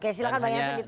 oke silahkan bayangkan